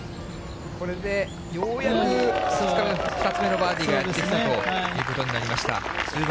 これでようやく、２日目、２つ目のバーディーがやってきたということになりました。